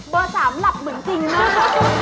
เบอร์สามหลับเหมือนจริงมาก